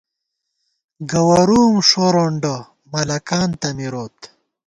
گوَرُوم ݭورونڈہ ، ملَکان تہ مِروت